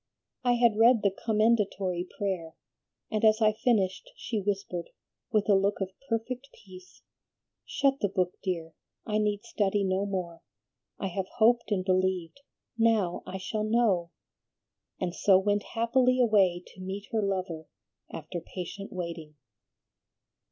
I had read the Commendatory Prayer, and as I finished she whispered, with a look of perfect peace, 'Shut the book, dear, I need study no more; I have hoped and believed, now I shall know;' and so went happily away to meet her lover after patient waiting."